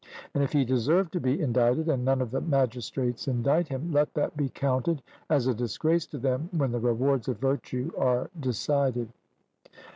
And if he deserve to be indicted, and none of the magistrates indict him, let that be counted as a disgrace to them when the rewards of virtue are decided.